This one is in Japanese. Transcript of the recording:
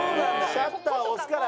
シャッター押すから。